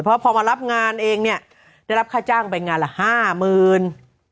เพราะพอมารับงานเองเนี่ยได้รับค่าจ้างไปงานละห้าหมื่น